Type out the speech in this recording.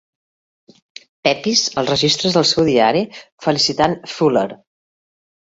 Pepys als registres del seu diari felicitant Fuller.